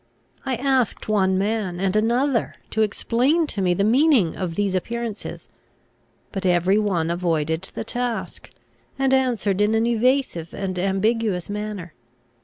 I asked one man and another to explain to me the meaning of these appearances; but every one avoided the task, and answered in an evasive and ambiguous manner.